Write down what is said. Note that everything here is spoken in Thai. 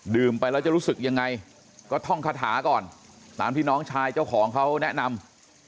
ไปแล้วจะรู้สึกยังไงก็ท่องคาถาก่อนตามที่น้องชายเจ้าของเขาแนะนำ